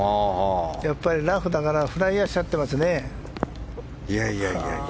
やっぱりラフだからフライヤーしちゃってますね。